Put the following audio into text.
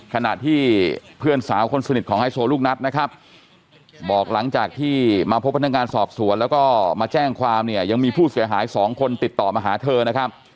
ขณะที่เพื่อนสาวคนสนิทของไฮโซลูกนัดนะครับบอกหลังจากที่มาพบพนักงานสอบสวนแล้วก็มาแจ้งความเนี่ยยังมีผู้เสียหายสองคนติดต่อมาหาเธอนะครับ